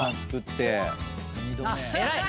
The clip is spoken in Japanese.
偉い！